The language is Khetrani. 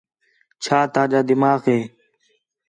چھا تاجا دماغ ہِے